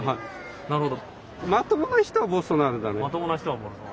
なるほど。